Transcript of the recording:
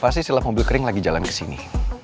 pasti si lap mobil kering lagi jalan ke sini